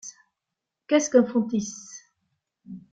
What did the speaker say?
Qu’est-ce qu’un fontis?